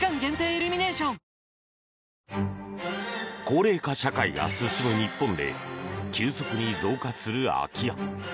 高齢化社会が進む日本で急速に増加する空き家。